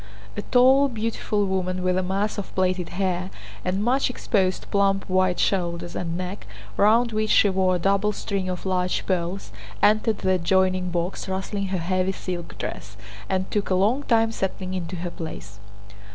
A tall, beautiful woman with a mass of plaited hair and much exposed plump white shoulders and neck, round which she wore a double string of large pearls, entered the adjoining box rustling her heavy silk dress and took a long time settling into her place.